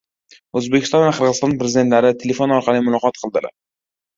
O‘zbekiston va Qirg‘iziston Prezidentlari telefon orqali muloqot qildilar